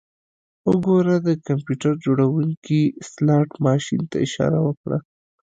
وګوره د کمپیوټر جوړونکي سلاټ ماشین ته اشاره وکړه